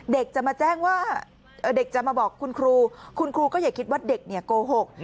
เด็กจะมาแจ้งว่าเด็กจะมาบอกคุณครูคุณครูก็อย่าคิดว่าเด็กเนี่ยโกหก